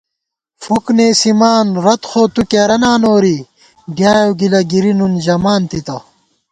فُک نېسِمان رت خو تُو کېرہ نا نوری ڈیائېؤ گِلہ گِری نُن ژِمان تِتہ